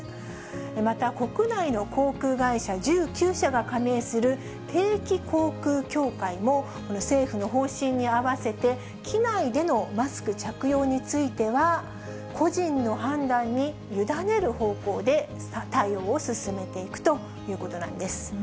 また、国内の航空会社１９社が加盟する定期航空協会も、この政府の方針に合わせて、機内でのマスク着用については、個人の判断に委ねる方向で対応を進めていくということなんです。